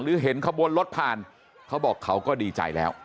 เห็นขบวนรถผ่านเขาบอกเขาก็ดีใจแล้ว